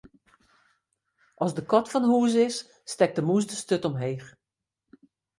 As de kat fan hús is, stekt de mûs de sturt omheech.